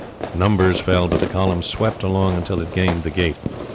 Numbers fell, but the column swept along until it gained the gate.